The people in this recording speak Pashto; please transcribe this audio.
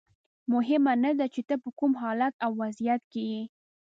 مهمه نه ده چې ته په کوم حالت او وضعیت کې یې.